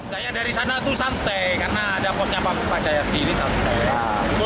saya karena ada posnya pak jaya sdini saya berdaya